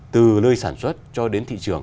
từ nơi sản xuất cho đến thị trường